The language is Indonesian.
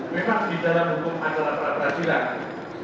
memang di dalam hukum adalah beradilan